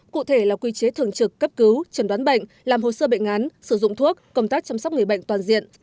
cụ thể là quy chế thường trực cấp cứu trần đoán bệnh làm hồ sơ bệnh án sử dụng thuốc công tác chăm sóc người bệnh toàn diện